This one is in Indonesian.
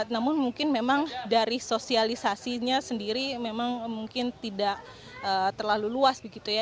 namun mungkin memang dari sosialisasinya sendiri memang mungkin tidak terlalu luas begitu ya